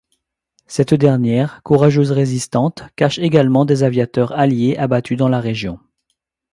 Cette dernière, courageuse résistante, cache également des aviateurs alliés abattus dans la région.